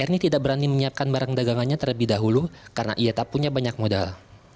ernie tidak berani menyiapkan barang dagangannya terlebih dahulu karena ia tak punya banyak modal